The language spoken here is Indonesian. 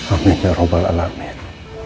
amin ya rabbal alamin